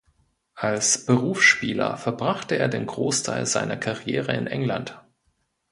Als Berufsspieler verbrachte er den Großteil seiner Karriere in England.